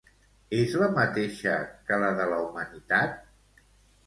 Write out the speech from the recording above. És la mateixa que la de la humanitat?